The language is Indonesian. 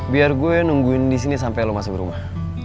biar gue nungguin disini sampe lo masuk rumah